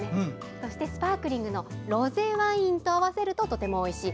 そして、スパークリングのロゼワインと合わせるととてもおいしい。